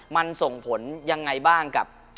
มันส่งผลยังไงบ้างกับ